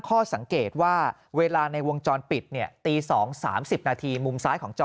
ข้อสังเกตว่าเวลาในวงจรปิดเนี่ยตี๒๓๐นาทีมุมซ้ายของจอ